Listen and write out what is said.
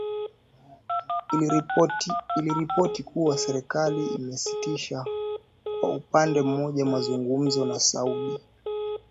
Iiliripoti kuwa serikali imesitisha kwa upande mmoja mazungumzo na Saudi.